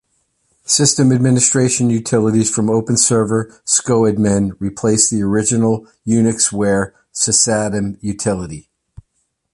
System administration utilities from OpenServer, scoadmin, replaced the original UnixWare sysadm utility.